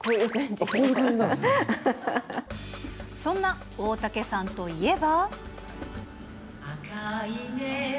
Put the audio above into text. そんな大竹さんといえば。